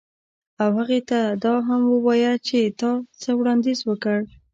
او هغې ته دا هم ووایه چې تا څه وړاندیز وکړ